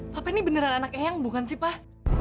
papa ini beneran anak eyang bukan sih pak